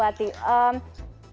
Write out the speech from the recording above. pertanyaannya begini bu hati